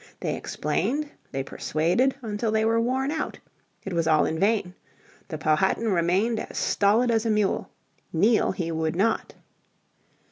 They explained, they persuaded, until they were worn out. It was all in vain. The Powhatan remained as stolid as a mule. Kneel he would not.